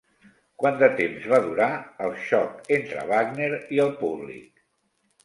Quant de temps va durar el xoc entre Wagner i el públic?